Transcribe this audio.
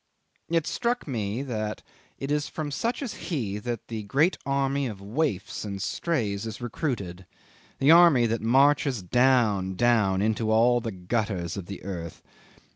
'It struck me that it is from such as he that the great army of waifs and strays is recruited, the army that marches down, down into all the gutters of the earth.